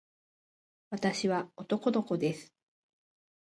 私は男の子です。